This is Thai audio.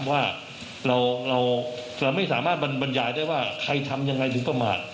ว่าเราไม่สามารถบรรยายได้ว่าใครทำยังไงถึงประมาท